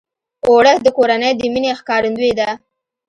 اوړه د کورنۍ د مینې ښکارندویي ده